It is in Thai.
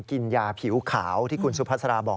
กินยาผิวขาวที่คุณสุภาษาราบอก